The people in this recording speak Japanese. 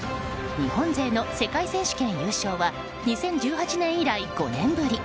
日本勢の世界選手権優勝は２０１８年以来５年ぶり。